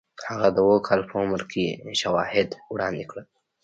هغه د اوو کالو په عمر کې شواهد وړاندې کړل